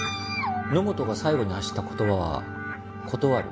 野本が最後に発した言葉は「断る。